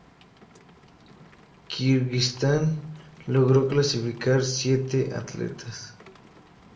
Kirguistán logro clasificar siete atletas